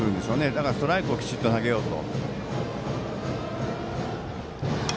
だからストライクをきちんと投げようと。